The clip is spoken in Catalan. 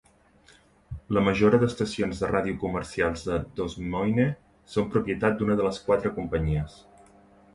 La majora d"estacions de ràdio comercials de Des Moine són propietat d"una de les quatre companyies.